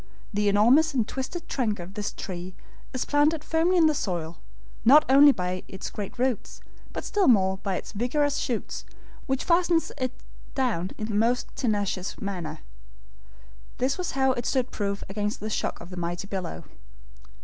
The enormous and twisted trunk of this tree is planted firmly in the soil, not only by its great roots, but still more by its vigorous shoots, which fasten it down in the most tenacious manner. This was how it stood proof against the shock of the mighty billow.